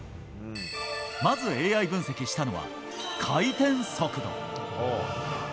まずＡＩ分析したのは回転速度。